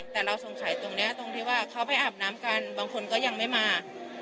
แต่เราสงสัยตรงนี้ตรงที่ว่าเขาไปอาบน้ำกันบางคนก็ยังไม่มา